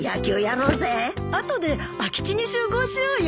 後で空き地に集合しようよ。